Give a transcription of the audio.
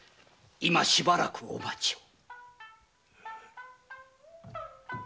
今しばらくお待ちを。